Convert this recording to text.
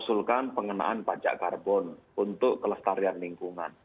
mengusulkan pengenaan pajak karbon untuk kelestarian lingkungan